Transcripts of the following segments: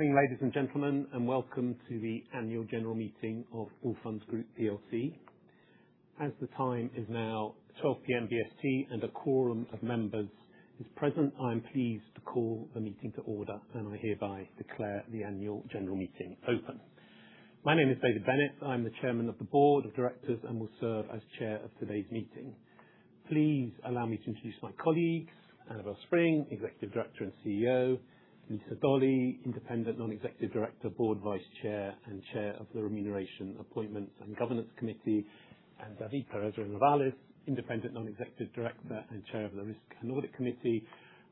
Morning, ladies and gentlemen, welcome to the Annual General Meeting of Allfunds Group PLC. As the time is now 12:00 P.M. BST, and a quorum of members is present. I'm pleased to call the meeting to order, I hereby declare the Annual General Meeting open. My name is David Bennett. I'm the Chairman of the Board of Directors, and will serve as Chair of today's meeting. Please allow me to introduce my colleagues, Annabel Spring, Executive Director, and CEO. Lisa Dolly, Independent Non-Executive Director, Board Vice Chair, and Chair of the Remuneration Appointments and Governance Committee. David Pérez Renovales, Independent Non-Executive Director, and Chair of the Risk and Audit Committee.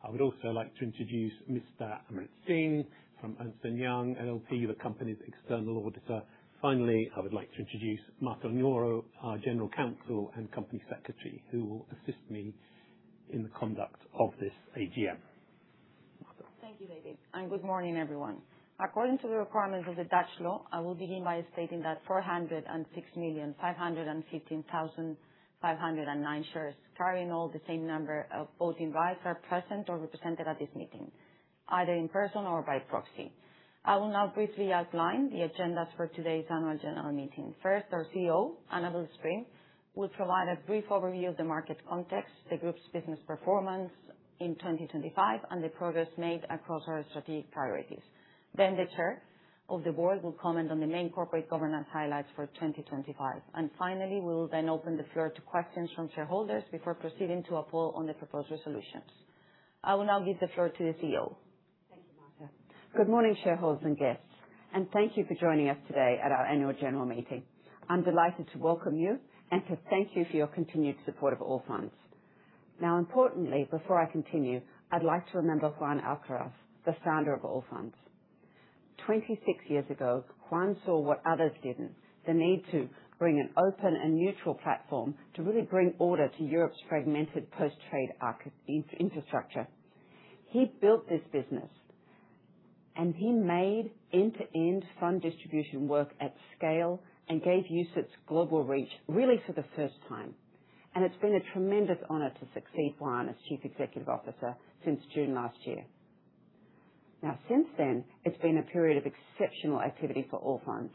I would also like to introduce Mr. Amarjit Singh from Ernst & Young LLP, the company's external auditor. Finally, I would like to introduce Marta Oñoro, our General Counsel and Company Secretary. Who will assist me in the conduct of this AGM. Thank you, David, good morning, everyone. According to the requirements of the Dutch law. I will begin by stating that 406,515,509 shares, carrying all the same number of voting rights. Are present or represented at this meeting, either in person or by proxy. I will now briefly outline the agendas for today's Annual General Meeting. First, our CEO, Annabel Spring, will provide a brief overview of the market context. The group's business performance in 2025, and the progress made across our strategic priorities. The Chair of the Board, will comment on the main corporate governance highlights for 2025. Finally, we will then open the floor to questions from shareholders. Before proceeding to a poll on the proposed resolutions. I will now give the floor to the CEO. Thank you, Marta. Good morning, shareholders and guests, and thank you for joining us today at our Annual General Meeting. I'm delighted to welcome you, and to thank you for your continued support of Allfunds. Importantly, before I continue, I'd like to remember Juan Alcaraz, the founder of Allfunds. 26 years ago, Juan saw what others didn't, the need to bring an open, and neutral platform. To really bring order to Europe's fragmented post-trade infrastructure. He built this business, and he made end-to-end fund distribution work at scale. And gave UCITS Global Reach, really for the first time. It's been a tremendous honor to succeed Juan, as Chief Executive Officer since June last year. Since then, it's been a period of exceptional activity for Allfunds.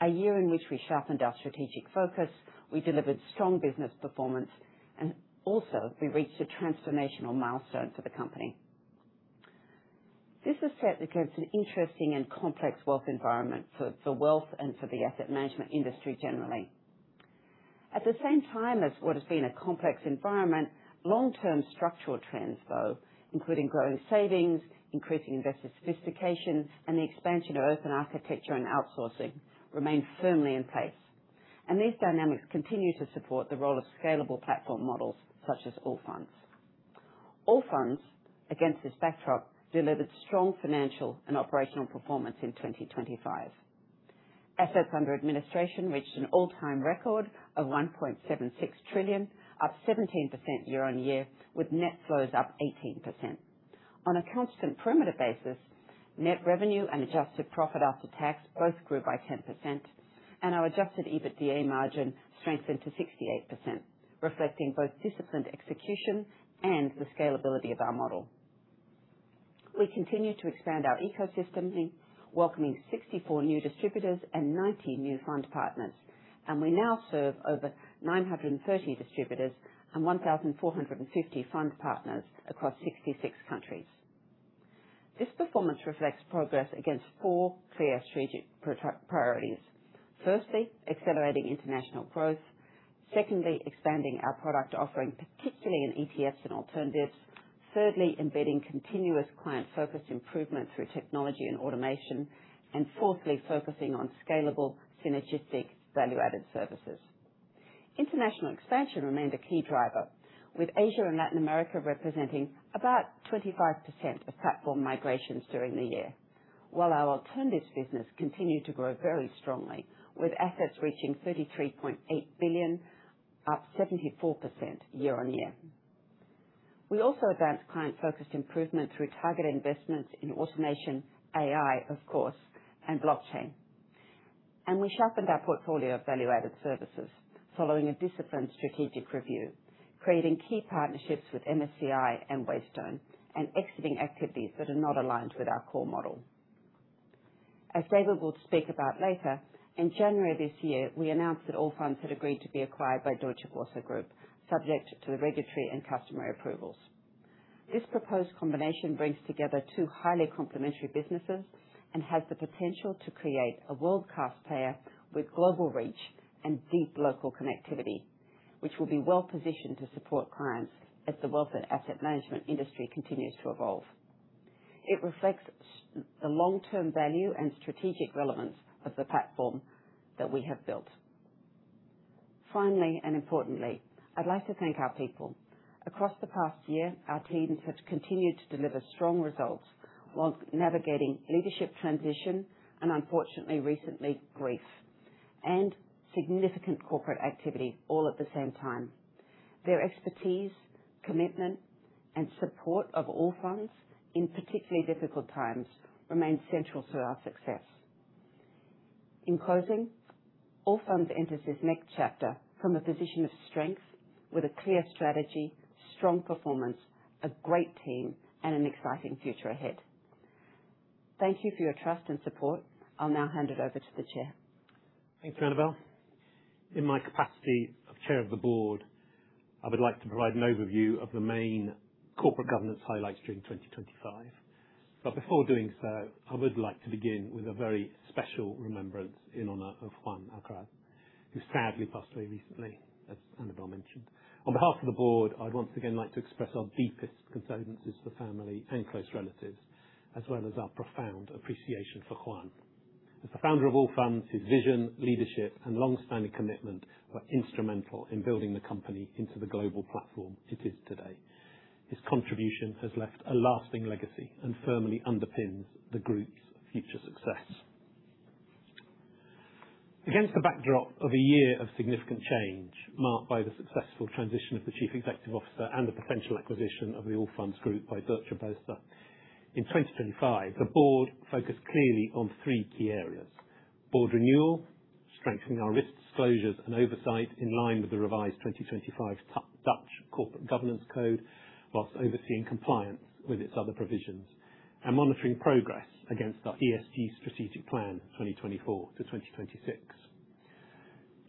A year in which we sharpened our strategic focus. We delivered strong business performance, and also we reached a transformational milestone for the company. This is set against an interesting, and complex wealth environment for wealth, and for the asset management industry generally. At the same time, as what has been a complex environment, long-term structural trends though. Including growing savings, increasing investor sophistication, and the expansion of open architecture, and outsourcing remain firmly in place. These dynamics continue to support the role of scalable platform models such as Allfunds. Allfunds, against this backdrop, delivered strong financial, and operational performance in 2025. Assets under administration reached an all-time record of 1.76 trillion, up 17% year-on-year, with net flows up 18%. On a constant perimeter basis, net revenue, and adjusted profit after tax both grew by 10%. And our Adjusted EBITDA margin strengthened to 68%. Reflecting both disciplined execution, and the scalability of our model. We continue to expand our ecosystem. Welcoming 64 new distributors, and 90 new fund partners. And we now serve over 930 distributors, and 1,450 fund partners across 66 countries. This performance reflects progress against four clear strategic priorities. Firstly, accelerating international growth. Secondly, expanding our product offering, particularly in ETFs, and alternatives. Thirdly, embedding continuous client-focused improvement through technology and automation. Fourthly, focusing on scalable, synergistic, value-added services. International expansion remained a key driver, with Asia and Latin America representing. About 25% of platform migrations during the year. While our alternatives business continued to grow very strongly. With assets reaching 33.8 billion, up 74% year-on-year. We also advanced client-focused improvement through targeted investments in automation, AI, of course, and blockchain. We sharpened our portfolio of value-added services. Following a disciplined strategic review, creating key partnerships with MSCI, and Waystone. And exiting activities that are not aligned with our core model. As David will speak about later, in January this year. We announced that Allfunds had agreed to be acquired by Deutsche Börse Group. Subject to the regulatory, and customer approvals. This proposed combination brings together two highly complementary businesses. And has the potential to create a world-class player with global reach, and deep local connectivity. Which will be well positioned to support clients as the wealth, and asset management industry continues to evolve. It reflects the long-term value, and strategic relevance of the platform that we have built. Finally, and importantly, I'd like to thank our people. Across the past year, our teams have continued to deliver strong results. While navigating leadership transition, and unfortunately, recently, grief. And significant corporate activity all at the same time. Their expertise, commitment, and support of Allfunds. In particularly difficult times remains central to our success. In closing, Allfunds enters this next chapter, from a position of strength. With a clear strategy, strong performance, a great team, and an exciting future ahead. Thank you for your trust, and support. I'll now hand it over to the Chair. Thanks, Annabel. In my capacity of Chair of the Board, I would like to provide an overview. Of the main corporate governance highlights during 2025. Before doing so, I would like to begin with a very special remembrance in honor of Juan Alcaraz. Who sadly passed away recently, as Annabel mentioned. On behalf of the Board, I'd once again like to express our deepest condolences. To family and close relatives, as well as our profound appreciation for Juan. As the founder of Allfunds, his vision, leadership, and long-standing commitment. Were instrumental in building the company into the global platform it is today. His contribution has left a lasting legacy, and firmly underpins the group's future success. Against the backdrop of a year of significant change. Marked by the successful transition of the Chief Executive Officer, and the potential acquisition of the Allfunds Group by Deutsche Börse. In 2025, the Board focused clearly on three key areas. Board renewal, strengthening our risk disclosures, and oversight in line with the revised 2025 Dutch Corporate Governance Code. Whilst overseeing compliance with its other provisions, and monitoring progress against our ESG strategic plan, 2024-2026.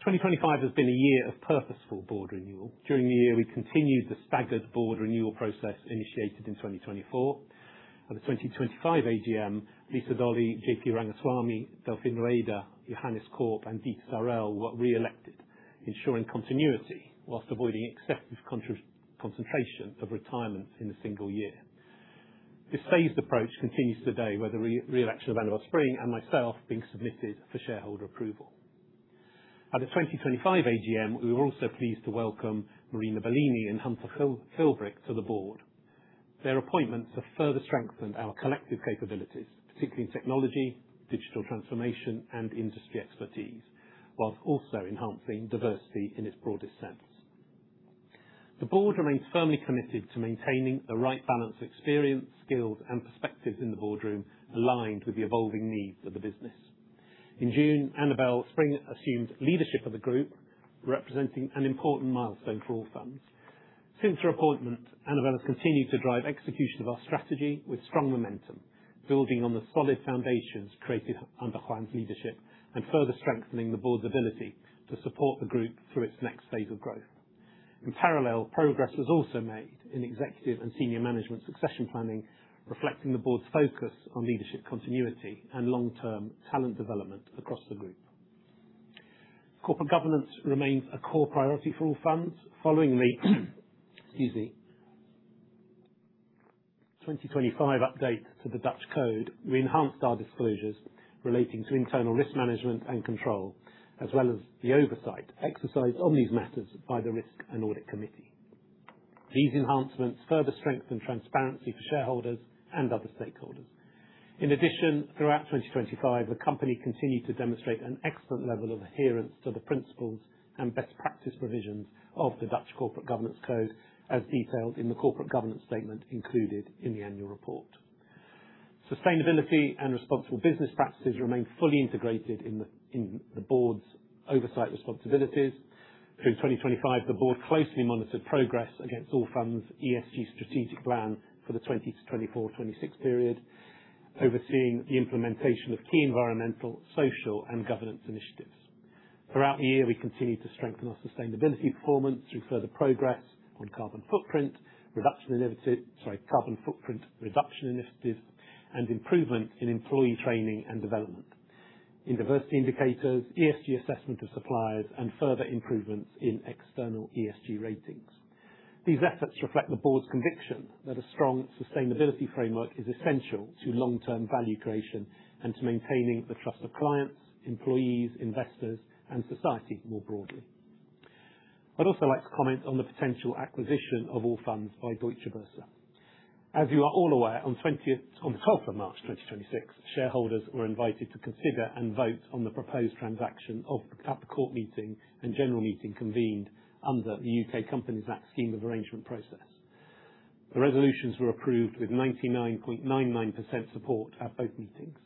2025 has been a year of purposeful Board renewal. During the year, we continued the staggered Board renewal process initiated in 2024. At the 2025 AGM, Lisa Dolly, JP Rangaswami, Delfín Rueda, Johannes Korp, and Zita Saurel were reelected. Ensuring continuity whilst avoiding excessive concentration of retirements in a single year. This phased approach continues today with the reelection of Annabel Spring, and myself being submitted for shareholder approval. At the 2025 AGM, we were also pleased to welcome Marina Bellini, and Hunter Philbrick to the board. Their appointments have further strengthened our collective capabilities. Particularly in technology, digital transformation, and industry expertise. Whilst also enhancing diversity in its broadest sense. The Board remains firmly committed to maintaining the right balance of experience, skills, and perspectives in the boardroom. Aligned with the evolving needs of the business. In June, Annabel Spring assumed leadership of the Group. Representing an important milestone for Allfunds. Since her appointment, Annabel has continued to drive execution of our strategy with strong momentum. Building on the solid foundations created under Juan's leadership, and further strengthening the Board's ability. To support the Group through its next phase of growth. In parallel, progress was also made in Executive and Senior Management succession planning, reflecting the Board's focus on leadership continuity. And long-term talent development across the Group. Corporate governance remains a core priority for Allfunds. Following the, excuse me, 2025 update to the Dutch Code. We enhanced our disclosures relating to internal risk management and control. As well as the oversight exercised on these matters by the Risk and Audit Committee. These enhancements further strengthen transparency for shareholders, and other stakeholders. Throughout 2025, the company continued to demonstrate an excellent level of adherence. To the principles, and best practice provisions of the Dutch Corporate Governance Code. As detailed in the corporate governance statement included in the annual report. Sustainability and responsible business practices remain fully integrated in the Board's oversight responsibilities. Through 2025, the Board closely monitored progress against Allfunds' ESG strategic plan, for the 2020-2024/2026 period. Overseeing the implementation of key environmental, social, and governance initiatives. Throughout the year, we continued to strengthen our sustainability performance. Through further progress on carbon footprint reduction initiatives. And improvement in employee training, and development. In diversity indicators, ESG assessment of suppliers, and further improvements in external ESG ratings. These efforts reflect the board's conviction that a strong sustainability framework. Is essential to long-term value creation, and to maintaining the trust of clients, employees, investors, and society more broadly. I'd also like to comment on the potential acquisition of Allfunds by Deutsche Börse. As you are all aware, on 12th of March 2026. Shareholders were invited to consider, and vote on the proposed transaction at the Court Meeting and General Meeting. Convened under the Companies Act 2006 scheme of arrangement process. The resolutions were approved with 99.99% support at both meetings.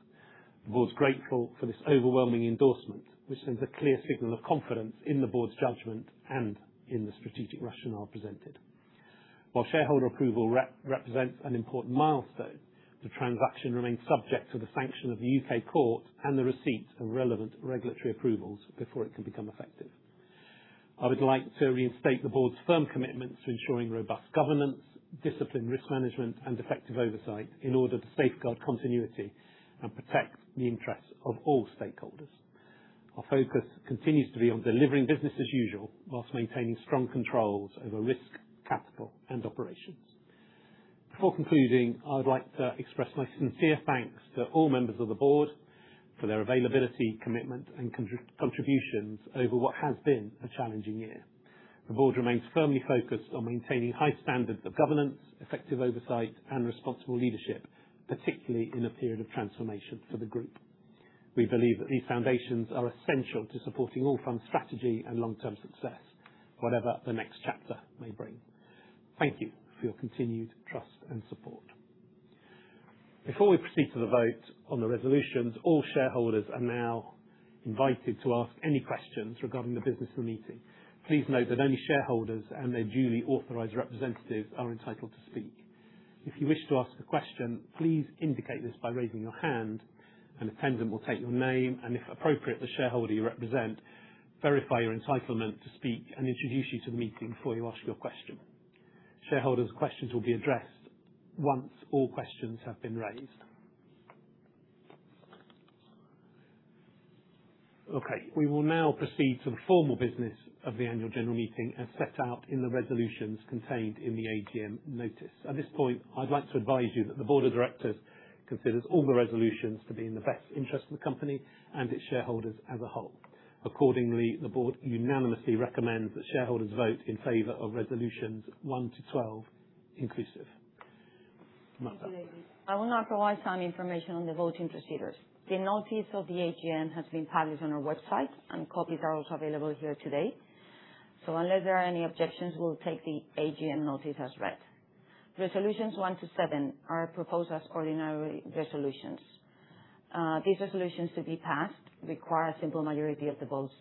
The Board's grateful for this overwhelming endorsement. Which sends a clear signal of confidence in the Board's judgment, and in the strategic rationale presented. While shareholder approval represents an important milestone. The transaction remains subject to the sanction of the U.K. Court, and the receipt of relevant regulatory approvals before it can become effective. I would like to reinstate the Board's firm commitment to ensuring robust governance, disciplined risk management, and effective oversight. In order to safeguard continuity, and protect the interests of all stakeholders. Our focus continues to be on delivering business as usual. While maintaining strong controls over risk, capital, and operations. Before concluding, I would like to express my sincere thanks to all members of the Board. For their availability, commitment, and contributions over what has been a challenging year. The Board remains firmly focused on maintaining high standards of governance, effective oversight, and responsible leadership. Particularly in a period of transformation for the group. We believe that these foundations are essential to supporting Allfunds' strategy. And long-term success, whatever the next chapter may bring. Thank you for your continued trust, and support. Before we proceed to the vote on the resolutions, all shareholders are now invited. To ask any questions regarding the business of the meeting. Please note that only shareholders, and their duly authorized representatives are entitled to speak. If you wish to ask a question, please indicate this by raising your hand. An attendant will take your name, and if appropriate, the shareholder you represent. Verify your entitlement to speak, and introduce you to the meeting before you ask your question. Shareholders' questions will be addressed once all questions have been raised. Okay, we will now proceed to the formal business of the Annual General Meeting. As set out in the resolutions contained in the AGM notice. At this point, I'd like to advise you that the Board of Directors, considers all the resolutions to be in the best interest of the company, and its shareholders as a whole. Accordingly, the Board unanimously recommends that shareholders vote in favor of Resolutions One-12 inclusive. Marta. Thank you, David. I will now provide some information on the voting procedures. The notice of the AGM has been published on our website, and copies are also available here today. Unless there are any objections, we'll take the AGM notice as read. Resolutions One-Seven are proposed as ordinary resolutions. These resolutions, to be passed, require a simple majority of the votes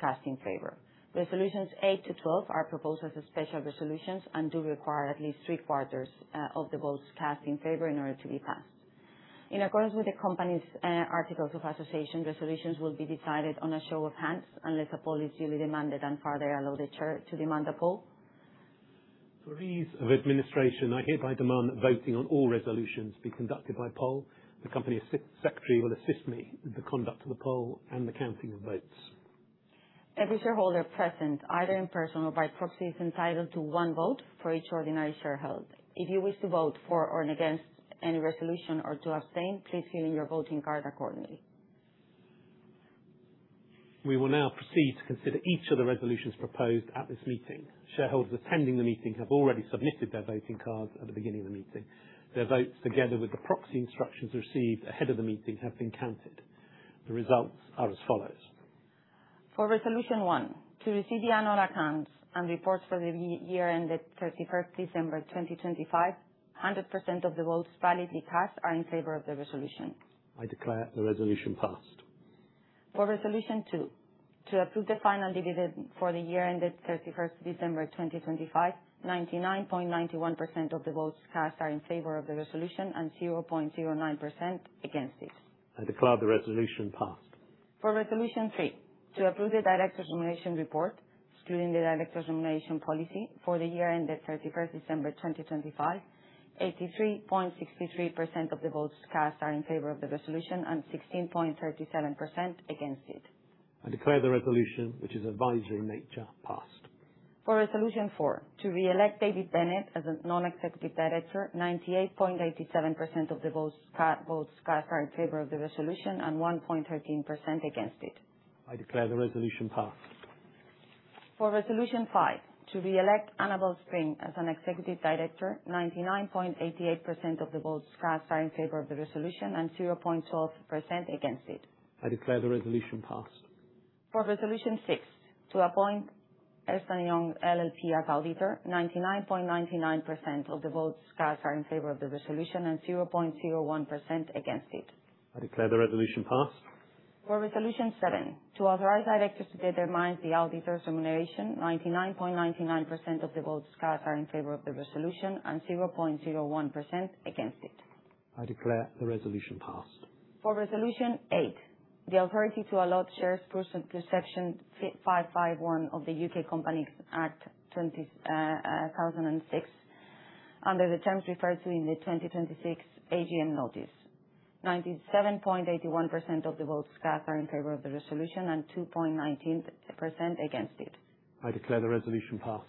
cast in favor. Resolutions Eight-12 are proposed as special resolutions, and do require at least 3/4 of the votes cast in favor in order to be passed. In accordance with the company's articles of association, resolutions will be decided on a show of hands. Unless a poll is duly demanded, and further allowed the Chair to demand a poll. For ease of administration, I hereby demand that voting on all resolutions be conducted by poll. The company secretary will assist me with the conduct of the poll, and the counting of votes. Every shareholder present, either in person or by proxy, is entitled to one vote for each ordinary share held. If you wish to vote for or against any resolution or to abstain. Please fill in your voting card accordingly. We will now proceed to consider each of the resolutions proposed at this meeting. Shareholders attending the meeting, have already submitted their voting cards at the beginning of the meeting. Their votes, together with the proxy instructions received ahead of the meeting, have been counted. The results are as follows. For Resolution One, to receive the annual accounts, and reports for the year ended 31st December 2025. 100% of the votes validly cast are in favor of the resolution. I declare the resolution passed. For Resolution Two, to approve the final dividend for the year ended 31st December 2025. of the votes cast are in favor of the resolution, and 0.09% against it. I declare the resolution passed. For Resolution Three, to approve the Directors' Remuneration Report, excluding the director's remuneration policy for the year ended 31st December 2025. 83.63% of the votes cast are in favor of the resolution, and 16.37% against it. I declare the resolution, which is advisory in nature, passed. For Resolution Four, to re-elect David Bennett as a Non-Executive Director, 98.87% of the votes cast are in favor of the resolution, and 1.13% against it. I declare the resolution passed. For Resolution Five, to re-elect Annabel Spring as an Executive Director. 99.88% of the votes cast are in favor of the resolution and 0.12% against it. I declare the resolution passed. For Resolution Six, to appoint Ernst & Young LLP as Auditor, 99.99% of the votes cast are in favor of the resolution, and 0.01% against it. I declare the resolution passed. For Resolution Seven, to authorize directors to determine the Auditor's Remuneration. 99.99% of the votes cast are in favor of the resolution, and 0.01% against it. I declare the resolution passed. For Resolution Eight, the authority to allot shares pursuant to Section 551 of the Companies Act 2006. Under the terms referred to in the 2026 AGM notice. 97.81% of the votes cast are in favor of the resolution, and 2.19% against it. I declare the resolution passed.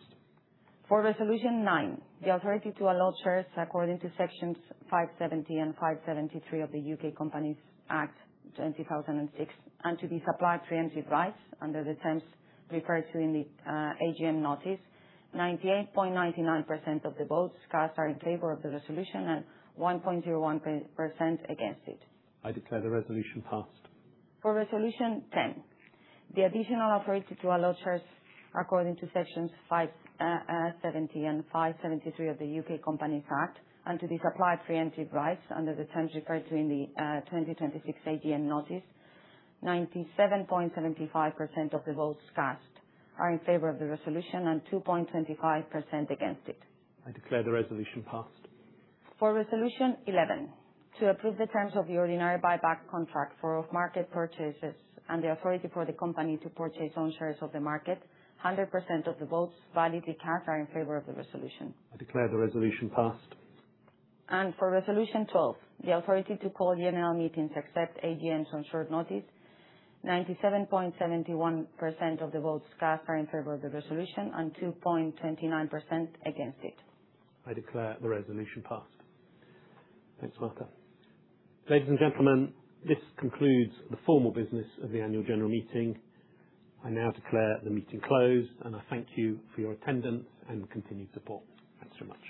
For Resolution Nine, the authority to allot shares according to Sections 570, and 573 of the Companies Act 2006. And to be supplied pre-emptive rights under the terms referred to in the AGM notice. 98.99% of the votes cast are in favor of the resolution, and 1.01% against it. I declare the resolution passed. For Resolution 10, the additional authority to allot shares according to Sections 570, and 573 of the Companies Act 2006. And to be supplied pre-emptive rights under the terms referred to in the 2026 AGM notice. 97.75% of the votes cast are in favor of the resolution, and 2.25% against it. I declare the resolution passed. For Resolution 11, to approve the terms of the ordinary buyback contract for off-market purchases, and the authority for the company to purchase own shares off the market. 100% of the votes validly cast are in favor of the resolution. I declare the resolution passed. For Resolution 12, the authority to call General Meetings except AGMs on short notice. 97.71% of the votes cast are in favor of the resolution, and 2.29% against it. I declare the resolution passed. Thanks, Marta. Ladies and gentlemen, this concludes the formal business of the Annual General Meeting. I now declare the meeting closed. And I thank you for your attendance, and continued support. Thanks so much.